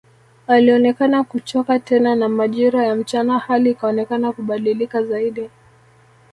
Alionekana kuchoka tena na majira ya mchana hali ikaonekana kubadilika zaidi